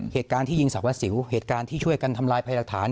เหตุการณ์ที่ยิงสักวัดสิวเหตุการณ์ที่ช่วยการทำลายภัยดักฐาน